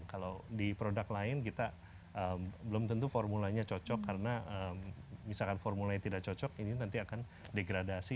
kalau di produk lain kita belum tentu formulanya cocok karena misalkan formula e tidak cocok ini nanti akan degradasi